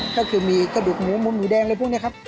ก็คือมีกระดูกหมูมุมหมูแดงอะไรพวกนี้ครับ